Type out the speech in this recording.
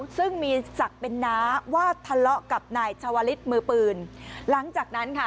ซึ่งมีศักดิ์เป็นน้าว่าทะเลาะกับนายชาวลิศมือปืนหลังจากนั้นค่ะ